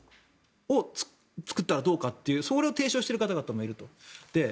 ＮＡＴＯを作ったらどうかというそれを提唱している方がもいると。